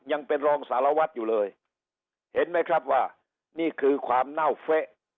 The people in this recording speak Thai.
ยังเป็นรองสารวัตรอยู่เลยเห็นไหมครับว่านี่คือความเน่าเฟะ